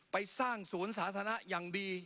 ไปสร้างศูนย์ศาสนาอย่างดี